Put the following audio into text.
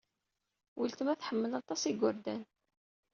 Weltma tḥemmel aṭas igerdan.